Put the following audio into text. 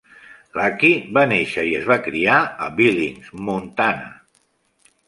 Luckey va néixer i es va criar a Billings, Montana.